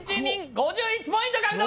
５１ポント獲得！